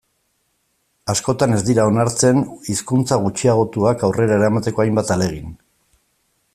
Askotan ez dira onartzen hizkuntza gutxiagotuak aurrera eramateko hainbat ahalegin.